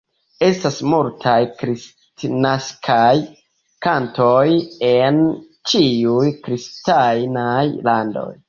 Estas multaj kristnaskaj kantoj en ĉiuj kristanaj landoj.